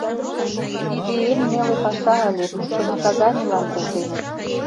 Тиде эн неле паша ыле, тушко наказанийлан колтеныт.